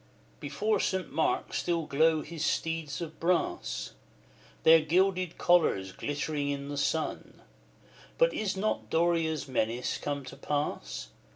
XIII. Before St. Mark still glow his steeds of brass, Their gilded collars glittering in the sun; But is not Doria's menace come to pass?